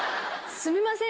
すみません。